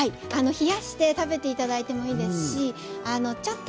冷やして食べて頂いてもいいですしちょっと